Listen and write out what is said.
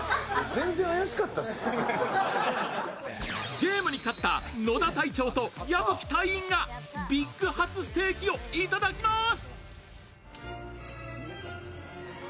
ゲームに勝った野田隊長と矢吹隊員がＢＩＧハツステーキをいただきます。